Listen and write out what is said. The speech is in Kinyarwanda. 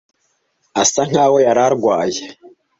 Asa nkaho yari arwaye.